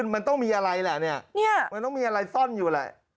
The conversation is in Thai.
มันต้องมีอะไรแหละเนี่ยมันต้องมีอะไรซ่อนอยู่แหละ